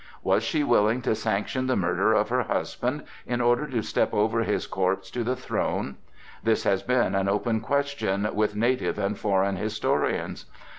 Was she willing to sanction the murder of her husband in order to step over his corpse to the throne? This has been an open question with native and foreign historians.